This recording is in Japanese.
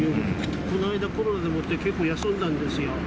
この間、コロナでもって結構休んだんですよ。